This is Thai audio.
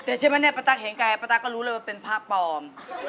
แต่ใช่ไหมนะปะต๊าเห็นไกลปะต๊าก็รู้เลยว่าเป็นพระปอม